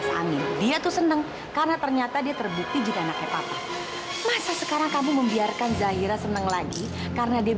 sampai jumpa di video selanjutnya